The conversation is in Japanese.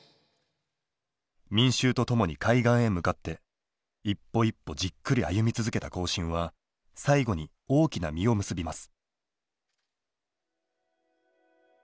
民衆と共に海岸へ向かって一歩一歩じっくり歩み続けた行進は最後に大きな実を結びます。